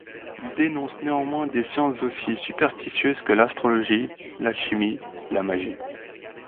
Il dénonce néanmoins des sciences aussi superstitieuses que l'astrologie, l'alchimie, la magie...